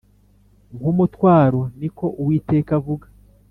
Nk umutwaro ni ko uwiteka avuga